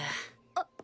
あっ